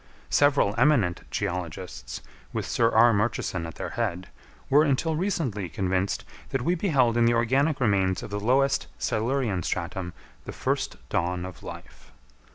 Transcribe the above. Several eminent geologists, with Sir R. Murchison at their head, were until recently convinced that we beheld in the organic remains of the lowest Silurian stratum the first dawn of life.